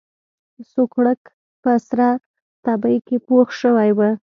سوکړک په سره تبۍ کې پوخ شوی و.